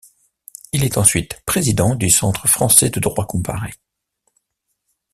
Il est ensuite président du Centre français de droit comparé.